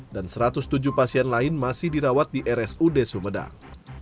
dan satu ratus tujuh pasien lain masih dirawat di rsud sumedang